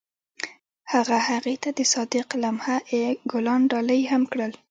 هغه هغې ته د صادق لمحه ګلان ډالۍ هم کړل.